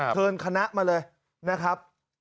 เชิญคณะมาเลยนะครับ